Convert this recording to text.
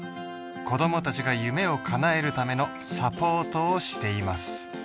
子供達が夢をかなえるためのサポートをしています